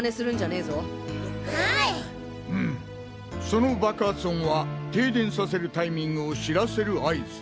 その爆発音は停電させるタイミングを知らせる合図。